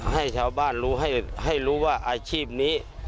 ให้ชาวบ้านรู้ให้รู้ว่าอาชีพนี้